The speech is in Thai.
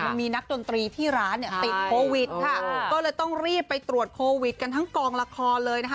มันมีนักดนตรีที่ร้านเนี่ยติดโควิดค่ะก็เลยต้องรีบไปตรวจโควิดกันทั้งกองละครเลยนะคะ